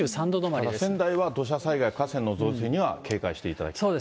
だから仙台は土砂災害、河川の増水には警戒していただきたいと。